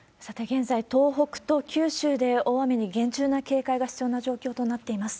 現在、東北と九州で大雨に厳重な警戒が必要な状況となっています。